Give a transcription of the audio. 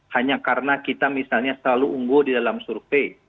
hanya karena kita misalnya selalu unggul di dalam survei